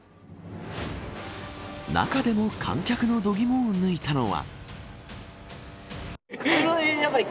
中でも観客の度肝を抜いたのは。